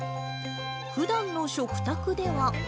ふだんの食卓では。